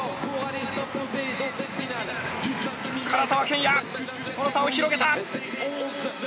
唐澤剣也、その差を広げた！